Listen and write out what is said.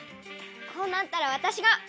こうなったらわたしが！